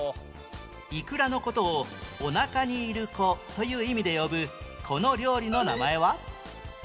イクラの事を「おなかにいる子」という意味で呼ぶこの料理の名前は？